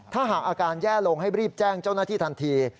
ถ้าหากอาการแย่ลงให้รีบแจ้งเจ้าหน้าที่ทันที